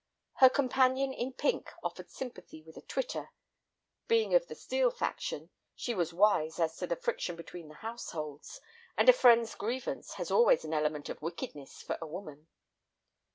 Her companion in pink offered sympathy with a twitter. Being of the Steel faction, she was wise as to the friction between the households, and a friend's grievance has always an element of wickedness for a woman.